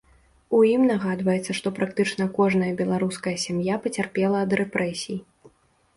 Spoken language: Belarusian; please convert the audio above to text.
У ім нагадваецца, што практычна кожная беларуская сям'я пацярпела ад рэпрэсій.